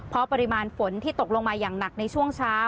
เพราะปริมาณฝนที่ตกลงมาอย่างหนักในช่วงเช้า